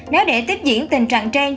nếu để tiếp diễn tình trạng trên